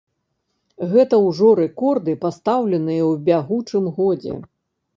Гэта ўжо рэкорды, пастаўленыя ў бягучым годзе.